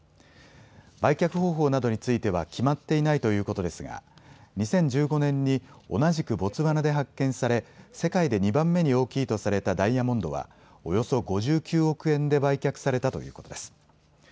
売却方法などについては決まっていないということですが２０１５年に同じくボツワナで発見され、世界で２番目に大きいとされたダイヤモンドはおよそ５９億円で売却されたということです。